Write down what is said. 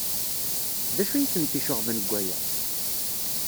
D acu ay tent-iceɣben deg waya?